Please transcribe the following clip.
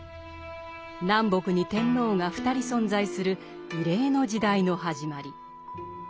南北に天皇が２人存在する異例の時代の始まり。